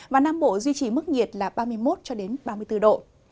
và nam bộ duy trì mức nhiệt là ba mươi một ba mươi bốn độ